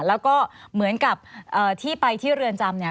แล้วก็เหมือนกับที่ไปที่เรือนจำเนี่ย